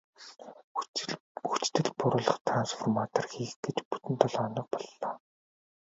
Хүчдэл бууруулах трансформатор хийх гэж бүтэн долоо хоног боллоо.